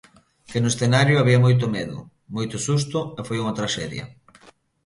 Que no escenario había moito medo, moito susto e foi unha traxedia.